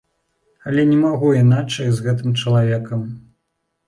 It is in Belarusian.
Але не магу іначай з гэтым чалавекам.